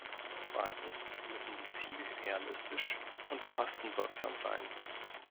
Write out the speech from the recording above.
Zweitens müssen die Ziele realistisch und kostenwirksam sein.